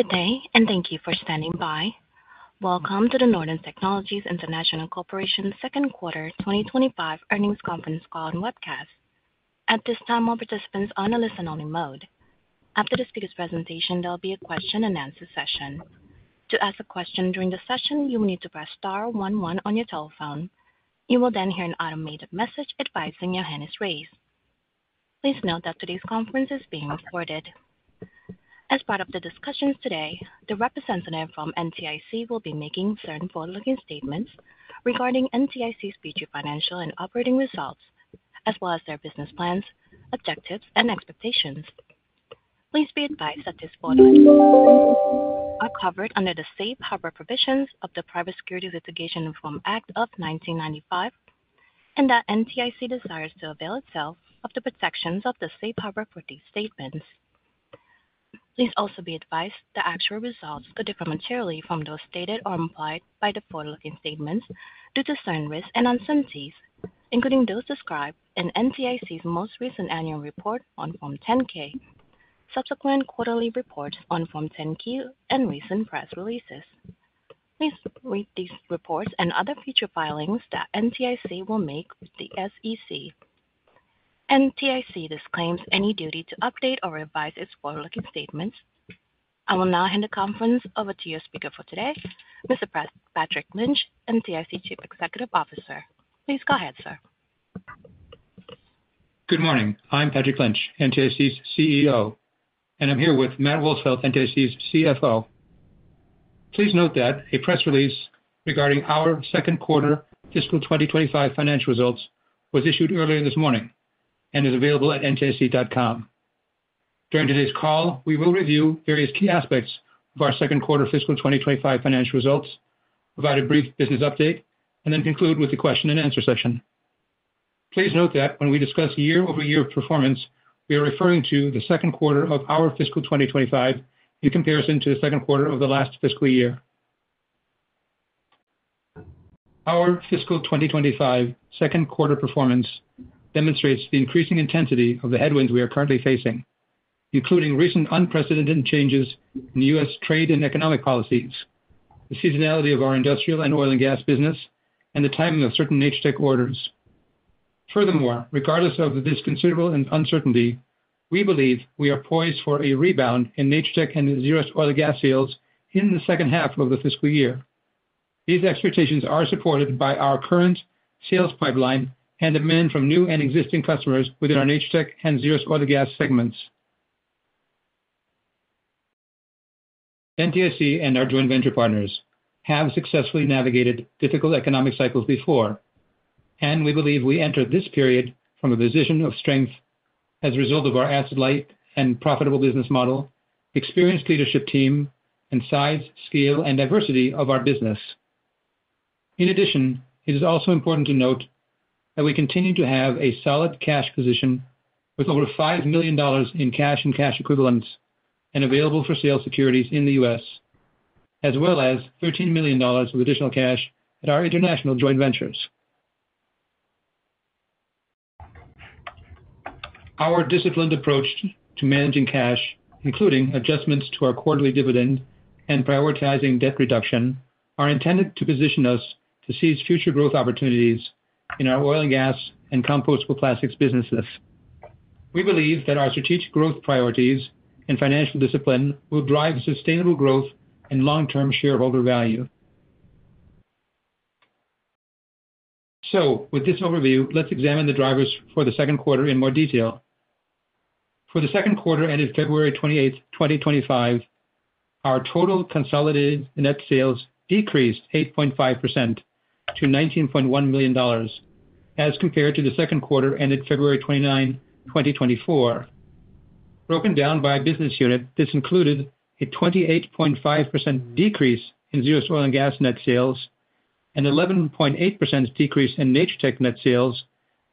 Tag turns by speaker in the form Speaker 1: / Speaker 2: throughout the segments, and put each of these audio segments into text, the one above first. Speaker 1: Good day, and thank you for standing by. Welcome to the Northern Technologies International Corporation's Second Quarter 2025 Earnings Conference call and webcast. At this time, all participants are on a listen-only mode. After the speaker's presentation, there will be a question-and-answer session. To ask a question during the session, you will need to press Star 11 on your telephone. You will then hear an automated message advising your hand is raised. Please note that today's conference is being recorded. As part of the discussions today, the representative from NTIC will be making certain forward-looking statements regarding NTIC's future financial and operating results, as well as their business plans, objectives, and expectations. Please be advised that these forward-looking statements are covered under the Safe Harbor Provisions of the Private Securities Litigation Reform Act of 1995, and that NTIC desires to avail itself of the protections of the Safe Harbor Provisions. Please also be advised that actual results could differ materially from those stated or implied by the forward-looking statements due to certain risks and uncertainties, including those described in NTIC's most recent annual report on Form 10-K, subsequent quarterly reports on Form 10-K, and recent press releases. Please read these reports and other future filings that NTIC will make with the SEC. NTIC disclaims any duty to update or revise its forward-looking statements. I will now hand the conference over to your speaker for today, Mr. Patrick Lynch, NTIC Chief Executive Officer. Please go ahead, sir.
Speaker 2: Good morning. I'm Patrick Lynch, NTIC's CEO, and I'm here with Matt Wolsfeld, NTIC's CFO. Please note that a press release regarding our second quarter fiscal 2025 financial results was issued earlier this morning and is available at ntic.com. During today's call, we will review various key aspects of our second quarter fiscal 2025 financial results, provide a brief business update, and then conclude with the question-and-answer session. Please note that when we discuss year-over-year performance, we are referring to the second quarter of our fiscal 2025 in comparison to the second quarter of the last fiscal year. Our fiscal 2025 second quarter performance demonstrates the increasing intensity of the headwinds we are currently facing, including recent unprecedented changes in U.S. trade and economic policies, the seasonality of our industrial and oil and gas business, and the timing of certain Natur-Tec orders. Furthermore, regardless of this considerable uncertainty, we believe we are poised for a rebound in Natur-Tec and Zerust oil and gas sales in the second half of the fiscal year. These expectations are supported by our current sales pipeline and demand from new and existing customers within our Natur-Tec and Zerust oil and gas segments. NTIC and our joint venture partners have successfully navigated difficult economic cycles before, and we believe we enter this period from a position of strength as a result of our asset-light and profitable business model, experienced leadership team, and size, scale, and diversity of our business. In addition, it is also important to note that we continue to have a solid cash position with over $5 million in cash and cash equivalents and available for sale securities in the U.S., as well as $13 million of additional cash at our international joint ventures. Our disciplined approach to managing cash, including adjustments to our quarterly dividend and prioritizing debt reduction, is intended to position us to seize future growth opportunities in our oil and gas and compostable plastics businesses. We believe that our strategic growth priorities and financial discipline will drive sustainable growth and long-term shareholder value. With this overview, let's examine the drivers for the second quarter in more detail. For the second quarter ended February 28, 2025, our total consolidated net sales decreased 8.5% to $19.1 million as compared to the second quarter ended February 29, 2024. Broken down by business unit, this included a 28.5% decrease in Zerust oil and gas net sales, an 11.8% decrease in Natur-Tec net sales,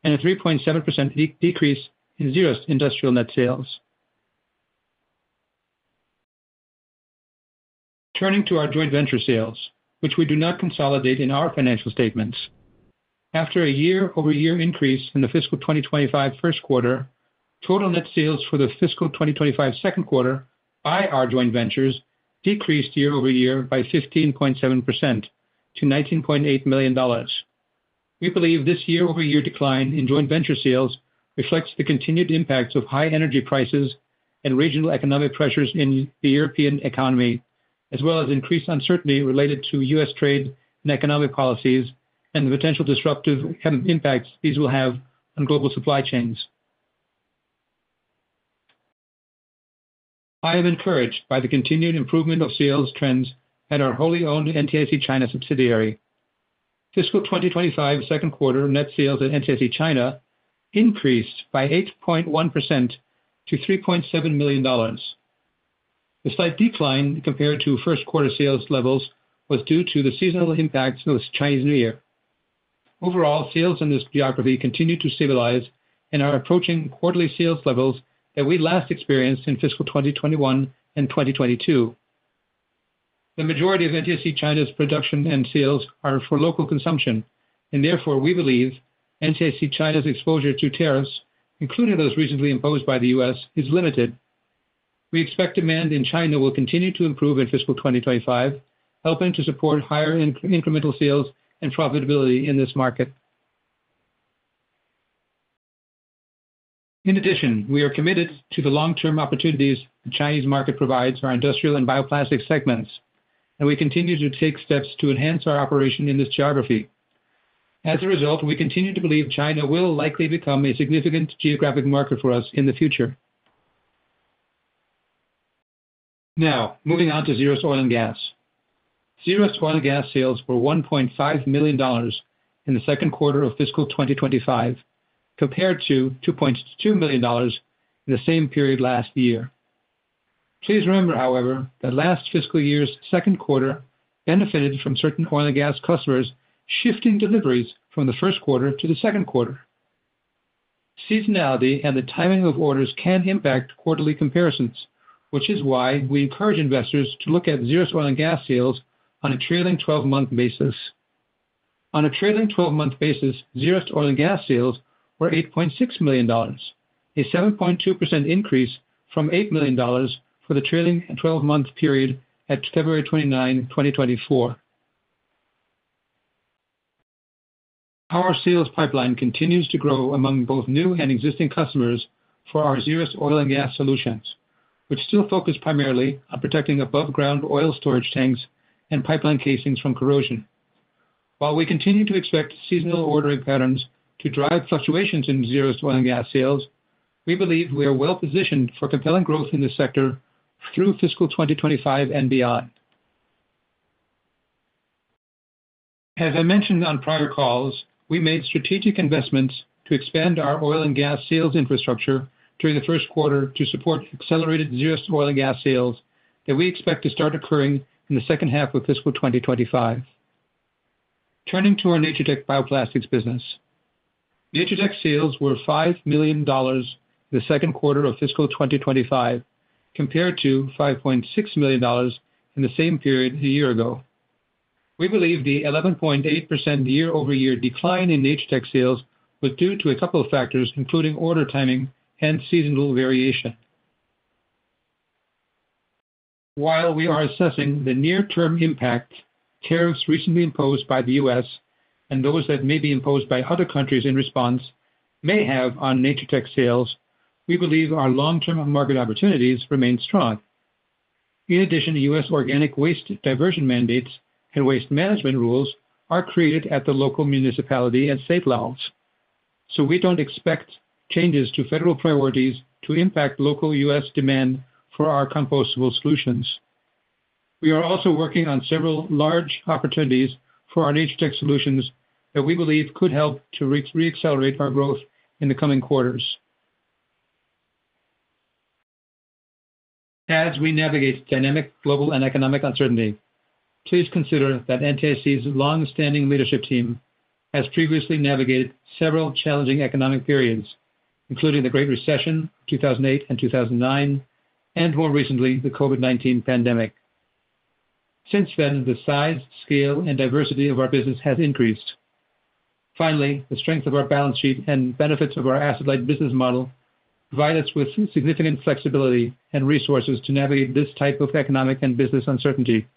Speaker 2: and a 3.7% decrease in Zerust industrial net sales. Turning to our joint venture sales, which we do not consolidate in our financial statements. After a year-over-year increase in the fiscal 2025 first quarter, total net sales for the fiscal 2025 second quarter by our joint ventures decreased year-over-year by 15.7% to $19.8 million. We believe this year-over-year decline in joint venture sales reflects the continued impacts of high energy prices and regional economic pressures in the European economy, as well as increased uncertainty related to U.S. trade and economic policies and the potential disruptive impacts these will have on global supply chains. I am encouraged by the continued improvement of sales trends at our wholly owned NTIC China subsidiary. Fiscal 2025 second quarter net sales at NTIC China increased by 8.1% to $3.7 million. The slight decline compared to first quarter sales levels was due to the seasonal impacts of the Chinese New Year. Overall, sales in this geography continue to stabilize and are approaching quarterly sales levels that we last experienced in fiscal 2021 and 2022. The majority of NTIC China's production and sales are for local consumption, and therefore we believe NTIC China's exposure to tariffs, including those recently imposed by the U.S., is limited. We expect demand in China will continue to improve in fiscal 2025, helping to support higher incremental sales and profitability in this market. In addition, we are committed to the long-term opportunities the Chinese market provides our industrial and bioplastic segments, and we continue to take steps to enhance our operation in this geography. As a result, we continue to believe China will likely become a significant geographic market for us in the future. Now, moving on to Zerust oil and gas. Zerust oil and gas sales were $1.5 million in the second quarter of fiscal 2025, compared to $2.2 million in the same period last year. Please remember, however, that last fiscal year's second quarter benefited from certain oil and gas customers shifting deliveries from the first quarter to the second quarter. Seasonality and the timing of orders can impact quarterly comparisons, which is why we encourage investors to look at Zerust oil and gas sales on a trailing 12-month basis. On a trailing 12-month basis, Zerust oil and gas sales were $8.6 million, a 7.2% increase from $8 million for the trailing 12-month period at February 29, 2024. Our sales pipeline continues to grow among both new and existing customers for our Zerust oil and gas solutions, which still focus primarily on protecting above-ground oil storage tanks and pipeline casings from corrosion. While we continue to expect seasonal ordering patterns to drive fluctuations in Zerust oil and gas sales, we believe we are well-positioned for compelling growth in this sector through fiscal 2025 and beyond. As I mentioned on prior calls, we made strategic investments to expand our oil and gas sales infrastructure during the first quarter to support accelerated Zerust oil and gas sales that we expect to start occurring in the second half of fiscal 2025. Turning to our Natur-Tec bioplastics business. Natur-Tec sales were $5 million in the second quarter of fiscal 2025, compared to $5.6 million in the same period a year ago. We believe the 11.8% year-over-year decline in Natur-Tec sales was due to a couple of factors, including order timing and seasonal variation. While we are assessing the near-term impacts tariffs recently imposed by the U.S. and those that may be imposed by other countries in response may have on Natur-Tec sales, we believe our long-term market opportunities remain strong. In addition, U.S. organic waste diversion mandates and waste management rules are created at the local municipality and state levels, so we do not expect changes to federal priorities to impact local U.S. demand for our compostable solutions. We are also working on several large opportunities for our Natur-Tec solutions that we believe could help to reaccelerate our growth in the coming quarters. As we navigate dynamic global and economic uncertainty, please consider that NTIC's long-standing leadership team has previously navigated several challenging economic periods, including the Great Recession of 2008 and 2009, and more recently, the COVID-19 pandemic. Since then, the size, scale, and diversity of our business has increased. Finally, the strength of our balance sheet and benefits of our asset-light business model provide us with significant flexibility and resources to navigate this type of economic and business uncertainty.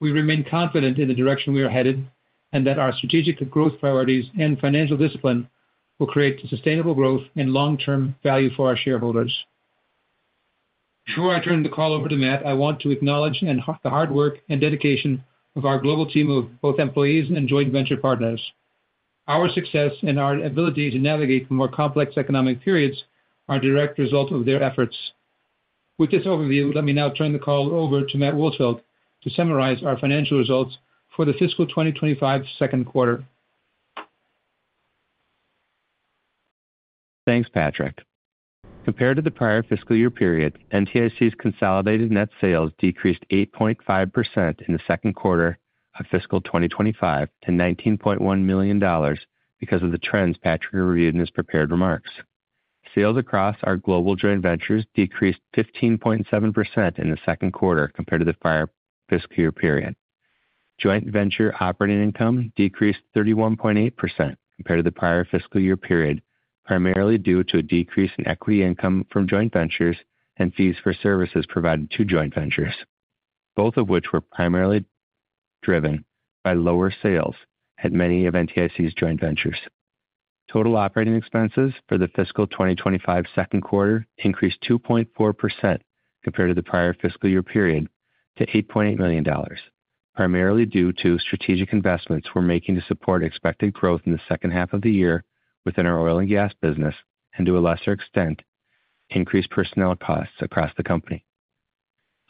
Speaker 2: We remain confident in the direction we are headed and that our strategic growth priorities and financial discipline will create sustainable growth and long-term value for our shareholders. Before I turn the call over to Matt, I want to acknowledge the hard work and dedication of our global team of both employees and joint venture partners. Our success and our ability to navigate more complex economic periods are a direct result of their efforts. With this overview, let me now turn the call over to Matt Wolsfeld to summarize our financial results for the fiscal 2025 second quarter.
Speaker 3: Thanks, Patrick. Compared to the prior fiscal year period, NTIC's consolidated net sales decreased 8.5% in the second quarter of fiscal 2025 to $19.1 million because of the trends Patrick reviewed in his prepared remarks. Sales across our global joint ventures decreased 15.7% in the second quarter compared to the prior fiscal year period. Joint venture operating income decreased 31.8% compared to the prior fiscal year period, primarily due to a decrease in equity income from joint ventures and fees for services provided to joint ventures, both of which were primarily driven by lower sales at many of NTIC's joint ventures. Total operating expenses for the fiscal 2025 second quarter increased 2.4% compared to the prior fiscal year period to $8.8 million, primarily due to strategic investments we're making to support expected growth in the second half of the year within our oil and gas business and, to a lesser extent, increased personnel costs across the company.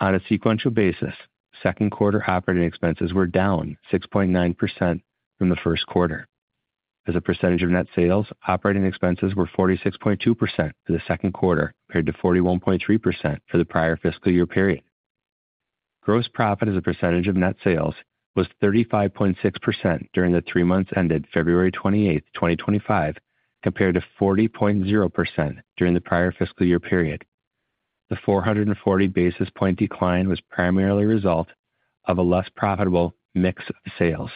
Speaker 3: On a sequential basis, second quarter operating expenses were down 6.9% from the first quarter. As a percentage of net sales, operating expenses were 46.2% for the second quarter compared to 41.3% for the prior fiscal year period. Gross profit as a percentage of net sales was 35.6% during the three months ended February 28, 2025, compared to 40.0% during the prior fiscal year period. The 440 basis point decline was primarily a result of a less profitable mix of sales.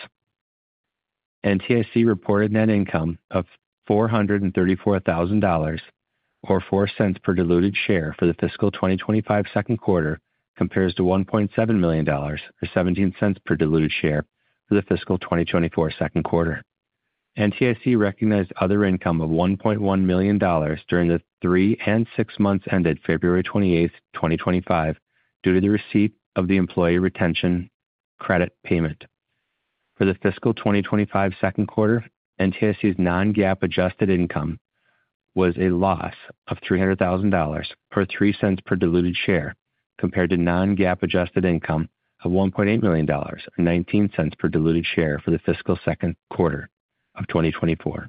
Speaker 3: NTIC reported net income of $434,000 or $0.04 per diluted share for the fiscal 2025 second quarter compared to $1.7 million or $0.17 per diluted share for the fiscal 2024 second quarter. NTIC recognized other income of $1.1 million during the three and six months ended February 28, 2025, due to the receipt of the employee retention credit payment. For the fiscal 2025 second quarter, NTIC's non-GAAP adjusted income was a loss of $300,000 or $0.03 per diluted share compared to non-GAAP adjusted income of $1.8 million or $0.19 per diluted share for the fiscal second quarter of 2024.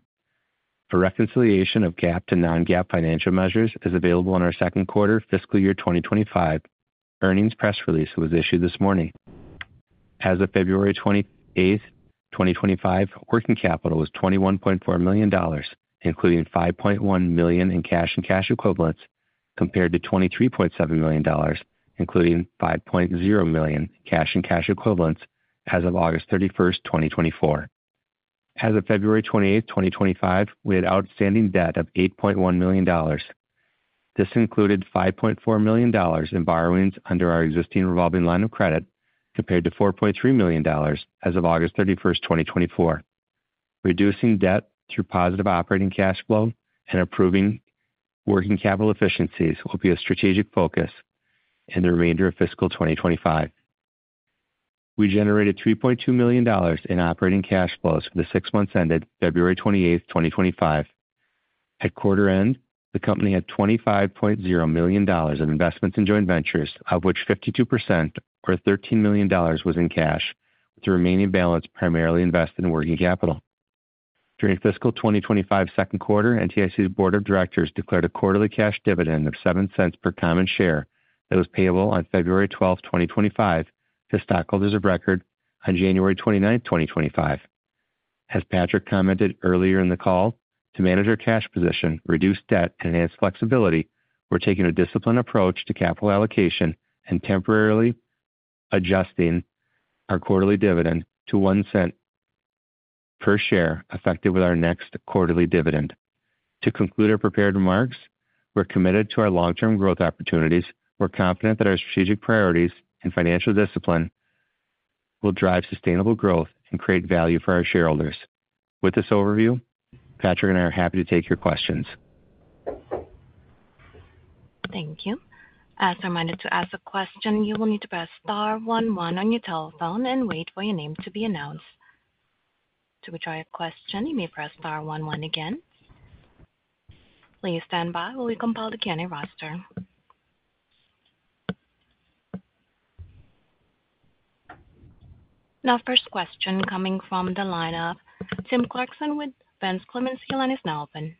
Speaker 3: A reconciliation of GAAP to non-GAAP financial measures is available on our second quarter fiscal year 2025 earnings press release that was issued this morning. As of February 28, 2025, working capital was $21.4 million, including $5.1 million in cash and cash equivalents, compared to $23.7 million, including $5.0 million in cash and cash equivalents as of August 31, 2024. As of February 28, 2025, we had outstanding debt of $8.1 million. This included $5.4 million in borrowings under our existing revolving line of credit compared to $4.3 million as of August 31, 2024. Reducing debt through positive operating cash flow and improving working capital efficiencies will be a strategic focus in the remainder of fiscal 2025. We generated $3.2 million in operating cash flows for the six months ended February 28, 2025. At quarter end, the company had $25.0 million in investments in joint ventures, of which 52% or $13 million was in cash, with the remaining balance primarily invested in working capital. During fiscal 2025 second quarter, NTIC's board of directors declared a quarterly cash dividend of $0.07 per common share that was payable on February 12, 2025, to stockholders of record on January 29, 2025. As Patrick commented earlier in the call, to manage our cash position, reduce debt, and enhance flexibility, we're taking a disciplined approach to capital allocation and temporarily adjusting our quarterly dividend to $0.01 per share effective with our next quarterly dividend. To conclude our prepared remarks, we're committed to our long-term growth opportunities. We're confident that our strategic priorities and financial discipline will drive sustainable growth and create value for our shareholders. With this overview, Patrick and I are happy to take your questions.
Speaker 1: Thank you. As reminded to ask a question, you will need to press star 11 on your telephone and wait for your name to be announced. To withdraw your question, you may press star 11 again. Please stand by while we compile the candidate roster. Now, first question coming from the line of Tim Clarkson with Van Clemens & Co. Incorporated, KeyBanc Capital Markets.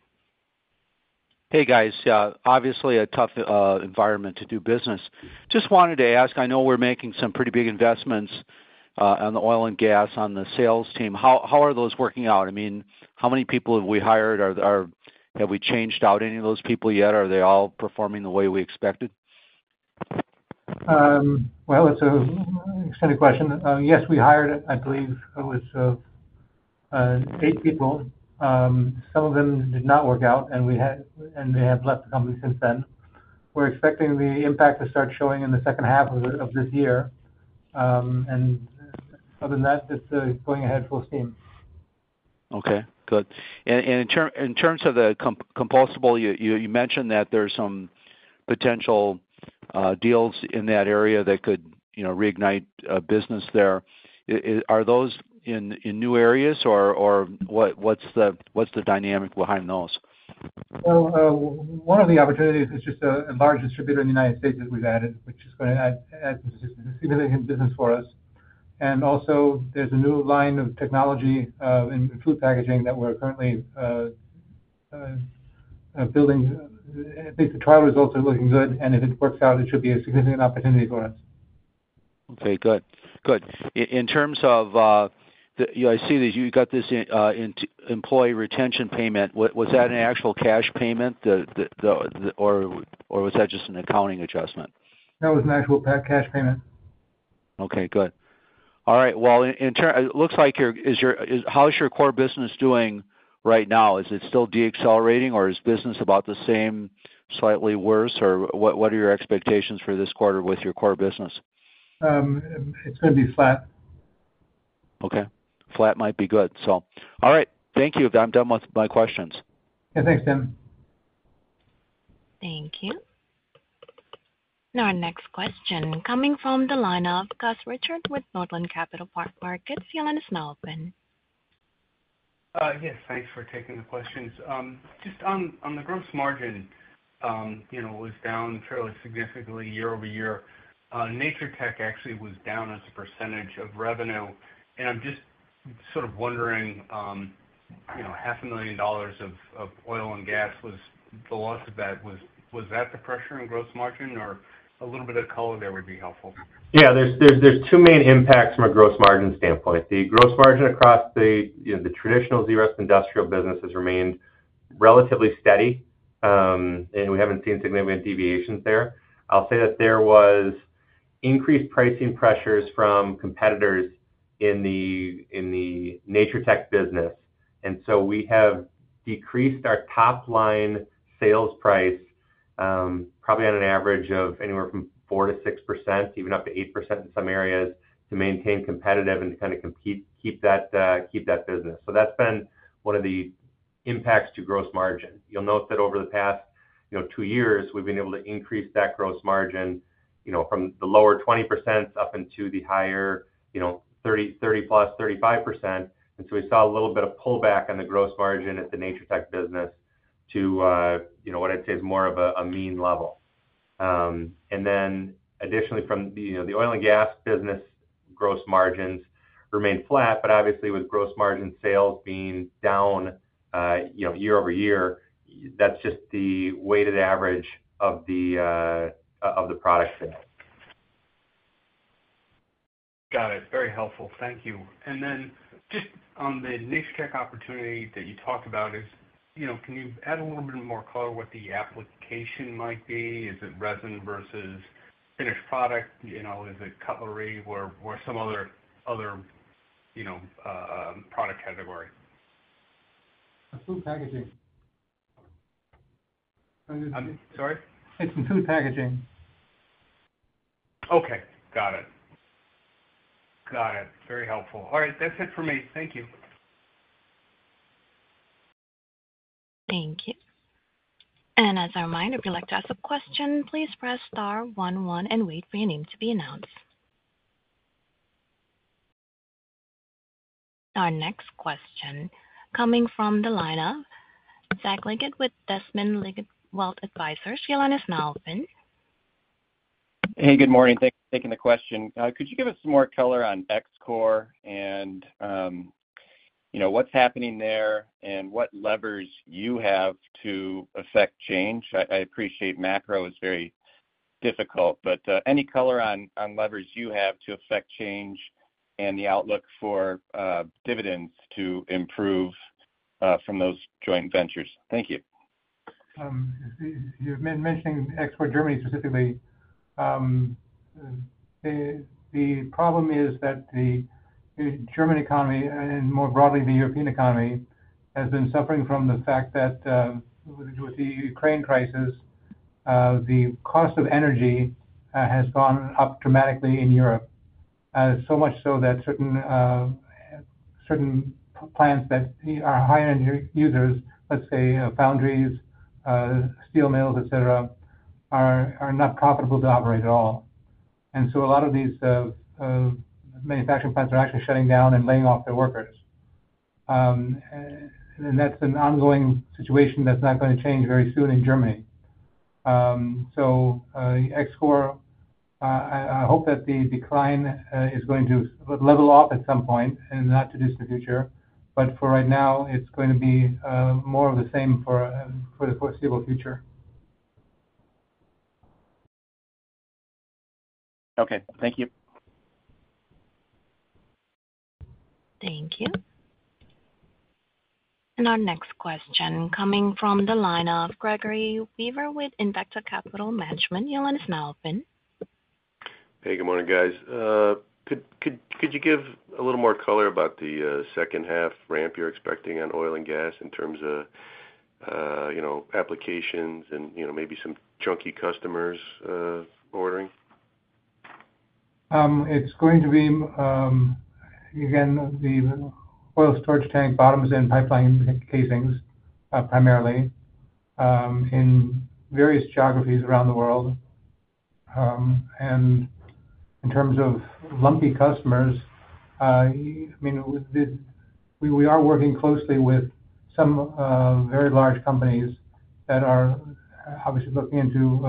Speaker 4: Hey, guys. Obviously, a tough environment to do business. Just wanted to ask, I know we're making some pretty big investments on the oil and gas on the sales team. How are those working out? I mean, how many people have we hired? Have we changed out any of those people yet? Are they all performing the way we expected?
Speaker 2: It's an extended question. Yes, we hired, I believe it was eight people. Some of them did not work out, and they have left the company since then. We're expecting the impact to start showing in the second half of this year. Other than that, it's going ahead full steam.
Speaker 4: Okay. Good. In terms of the compostable, you mentioned that there's some potential deals in that area that could reignite business there. Are those in new areas, or what's the dynamic behind those?
Speaker 2: One of the opportunities is just a large distributor in the United States that we've added, which is going to add significant business for us. Also, there's a new line of technology in food packaging that we're currently building. I think the trial results are looking good, and if it works out, it should be a significant opportunity for us.
Speaker 4: Okay. Good. Good. In terms of, I see that you got this employee retention payment. Was that an actual cash payment, or was that just an accounting adjustment?
Speaker 2: That was an actual cash payment.
Speaker 4: Okay. Good. All right. It looks like your—how's your core business doing right now? Is it still de-accelerating, or is business about the same, slightly worse, or what are your expectations for this quarter with your core business?
Speaker 2: It's going to be flat.
Speaker 4: Flat might be good. All right. Thank you. I'm done with my questions.
Speaker 2: Yeah. Thanks, Tim.
Speaker 1: Thank you. Now, our next question coming from the line of Gus Richard Northland Capital Market, Field and Snowben.
Speaker 5: Yes. Thanks for taking the questions. Just on the gross margin, it was down fairly significantly year over year. Natur-Tec actually was down as a percentage of revenue. I am just sort of wondering, $500,000 of oil and gas, the loss of that, was that the pressure in gross margin, or? A little bit of color there would be helpful.
Speaker 3: Yeah. There are two main impacts from a gross margin standpoint. The gross margin across the traditional Zerust industrial business has remained relatively steady, and we have not seen significant deviations there. I'll say that there was increased pricing pressures from competitors in the Natur-Tec business. We have decreased our top-line sales price probably on an average of anywhere from 4%-6%, even up to 8% in some areas, to maintain competitive and to kind of keep that business. That has been one of the impacts to gross margin. You'll note that over the past two years, we have been able to increase that gross margin from the lower 20% up into the higher 30 plus, 35%. We saw a little bit of pullback on the gross margin at the Natur-Tec business to what I would say is more of a mean level. Additionally, from the oil and gas business, gross margins remained flat. Obviously, with gross margin sales being down year over year, that is just the weighted average of the product today.
Speaker 5: Got it. Very helpful. Thank you. Just on the niche tech opportunity that you talked about, can you add a little bit more color with the application might be? Is it resin versus finished product? Is it cutlery or some other product category?
Speaker 2: It's food packaging.
Speaker 5: Sorry?
Speaker 2: It's food packaging.
Speaker 5: Okay. Got it. Got it. Very helpful. All right. That's it for me. Thank you.
Speaker 1: Thank you. As a reminder, if you'd like to ask a question, please press star 11 and wait for your name to be announced. Our next question coming from the line of Zach Liggett from Desmond Liggett Wealth Advisors, Field and Snowben.
Speaker 6: Hey, good morning. Thanks for taking the question. Could you give us some more color on XCOR and what's happening there and what levers you have to affect change? I appreciate macro is very difficult, but any color on levers you have to affect change and the outlook for dividends to improve from those joint ventures. Thank you.
Speaker 2: You've been mentioning export Germany specifically. The problem is that the German economy and more broadly the European economy has been suffering from the fact that with the Ukraine crisis, the cost of energy has gone up dramatically in Europe, so much so that certain plants that are high-energy users, let's say foundries, steel mills, etc., are not profitable to operate at all. A lot of these manufacturing plants are actually shutting down and laying off their workers. That's an ongoing situation that's not going to change very soon in Germany. XCOR, I hope that the decline is going to level off at some point in the not too distant future. For right now, it's going to be more of the same for the foreseeable future.
Speaker 3: Okay. Thank you.
Speaker 1: Thank you. Our next question coming from the line of Gregory Weaver with Invector Capital Management, Field and Snowben.
Speaker 7: Hey, good morning, guys. Could you give a little more color about the second-half ramp you're expecting on oil and gas in terms of applications and maybe some chunky customers ordering?
Speaker 2: It's going to be, again, the oil storage tank bottoms and pipeline casings primarily in various geographies around the world. In terms of lumpy customers, I mean, we are working closely with some very large companies that are obviously looking into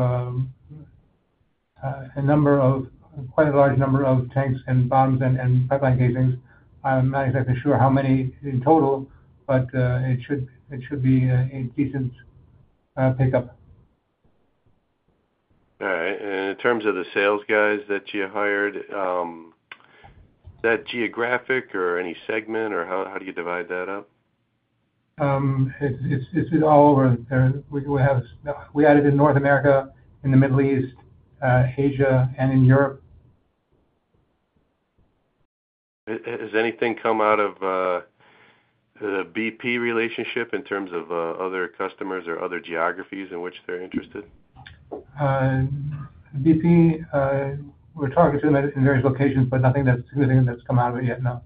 Speaker 2: a number of quite a large number of tanks and bottoms and pipeline casings. I'm not exactly sure how many in total, but it should be a decent pickup.
Speaker 7: All right. In terms of the sales guys that you hired, is that geographic or any segment, or how do you divide that up?
Speaker 2: It's all over. We added in North America, in the Middle East, Asia, and in Europe.
Speaker 7: Has anything come out of the BP relationship in terms of other customers or other geographies in which they're interested?
Speaker 2: BP, we're talking to them in various locations, but nothing that's significant that's come out of it yet, no.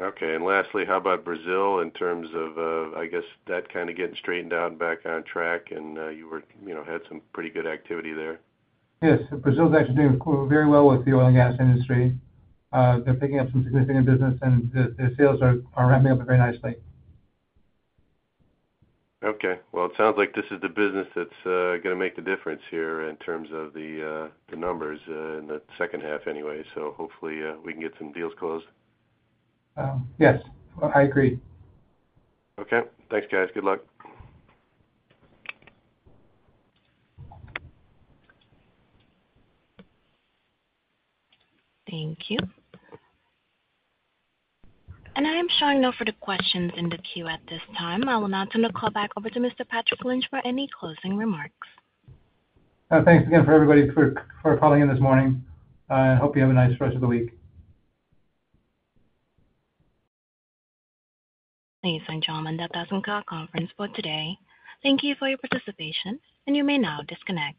Speaker 7: Okay. Lastly, how about Brazil in terms of, I guess, that kind of getting straightened out and back on track, and you had some pretty good activity there?
Speaker 2: Yes. Brazil is actually doing very well with the oil and gas industry. They're picking up some significant business, and their sales are ramping up very nicely.
Speaker 7: Okay. It sounds like this is the business that's going to make the difference here in terms of the numbers in the second half anyway. Hopefully, we can get some deals closed.
Speaker 2: Yes. I agree.
Speaker 7: Okay. Thanks, guys. Good luck.
Speaker 1: Thank you. I am showing no further questions in the queue at this time. I will now turn the call back over to Mr. Patrick Lynch for any closing remarks.
Speaker 2: Thanks again for everybody for calling in this morning. I hope you have a nice rest of the week.
Speaker 1: Thank you for joining the Dawson Conference for today. Thank you for your participation, and you may now disconnect.